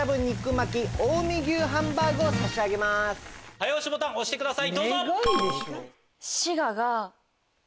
早押しボタン押してください。